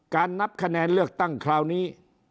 นับคะแนนเลือกตั้งคราวนี้